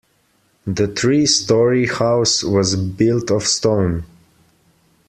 The three story house was built of stone.